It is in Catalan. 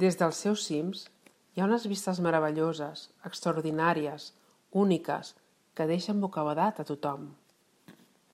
Des dels seus cims hi ha unes vistes meravelloses, extraordinàries, úniques, que deixen bocabadat a tothom.